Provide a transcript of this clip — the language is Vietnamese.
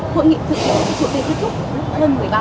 hội nghị thượng đỉnh mỹ triều tiên kết thúc lúc hơn một mươi ba giờ